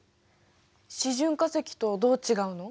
示準化石とどう違うの？